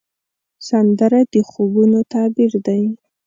سندره د خوبونو تعبیر دی